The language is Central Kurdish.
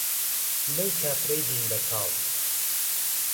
لەو کافرەی دین به تاڵ